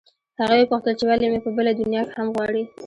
هغې وپوښتل چې ولې مې په بله دنیا کې هم غواړې